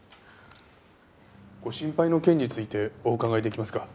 ご心配の件についてお伺い出来ますか？